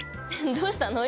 どうしたの？